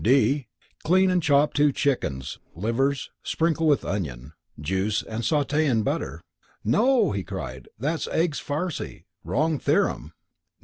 (d) Clean and chop two chickens' livers, sprinkle with onion juice, and saute in butter ("No!" he cried, "that's eggs farci. Wrong theorem!")